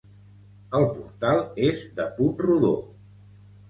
El portal és de punt rodó.